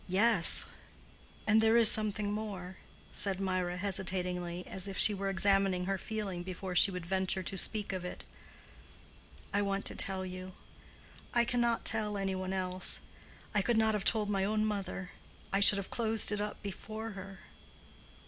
"Yes—and there is something more," said Mirah, hesitatingly, as if she were examining her feeling before she would venture to speak of it. "I want to tell you; I cannot tell any one else. I could not have told my own mother: I should have closed it up before her.